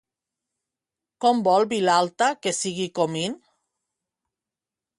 Com vol Vilalta que sigui Comín?